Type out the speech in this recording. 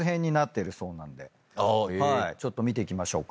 ちょっと見ていきましょうか。